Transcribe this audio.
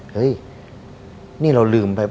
เฮ้ยนี่เราลืมไป